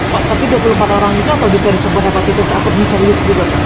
pak tapi dua puluh empat orang itu apa bisa disebut hepatitis akutnya serius juga